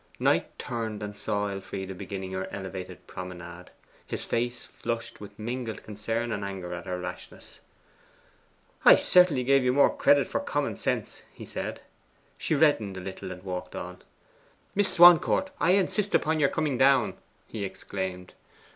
Knight turned and saw Elfride beginning her elevated promenade. His face flushed with mingled concern and anger at her rashness. 'I certainly gave you credit for more common sense,' he said. She reddened a little and walked on. 'Miss Swancourt, I insist upon your coming down,' he exclaimed.